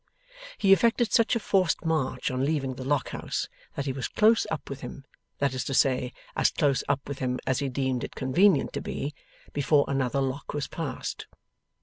He effected such a forced march on leaving the Lock House that he was close up with him that is to say, as close up with him as he deemed it convenient to be before another Lock was passed.